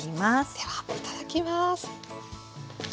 ではいただきます。